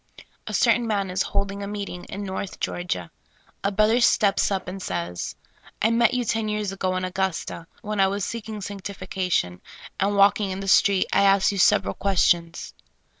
A certain man is holding a meeting in North Geor gia. A brother steps up and says :" I met you ten years ago in Augusta, when I was seeking sanctifica tion, and walking in the street, I asked you several questions.